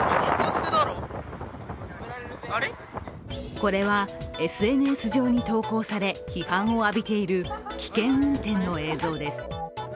これはＳＮＳ上に投稿され、批判を浴びている危険運転の映像です。